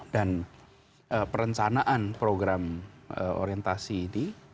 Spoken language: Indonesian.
dan perencanaan program orientasi ini